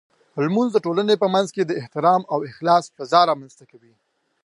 لمونځ د ټولنې په منځ کې د احترام او اخلاص فضاء رامنځته کوي.